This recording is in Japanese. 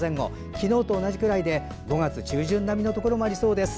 昨日と同じくらいで５月中旬くらいのところもありそうです。